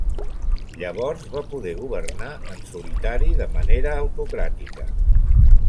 Llavors va poder governar en solitari de manera autocràtica.